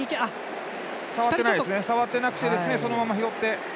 触ってなくてそのまま拾って。